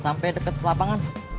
sampai deket pelapangan